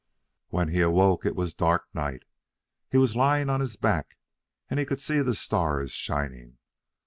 When he awoke, it was dark night. He was lying on his back, and he could see the stars shining.